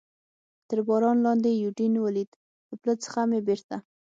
تر باران لاندې یوډین ولید، له پله څخه مې بېرته.